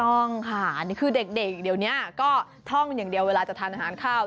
ต้องค่ะคือเด็กเดี๋ยวนี้ก็ท่องอย่างเดียวเวลาจะทานอาหารข้าว